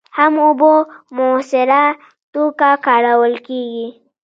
هم اوبه په مؤثره توکه کارول کېږي.